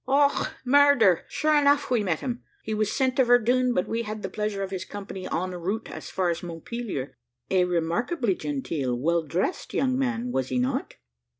"Och, murder! sure enough we met him. He was sent to Verdun, but we had the pleasure of his company en route as far as Montpelier. A remarkably genteel, well dressed young man, was he not?"